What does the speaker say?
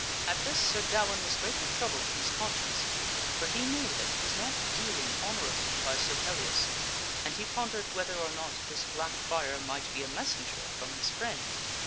At this Sir Gawaine was greatly troubled in his conscience, for he knew that he was not dealing honorably by Sir Pellias, and he pondered whether or not this black friar might be a messenger from his friend.